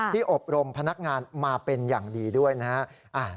อบรมพนักงานมาเป็นอย่างดีด้วยนะฮะ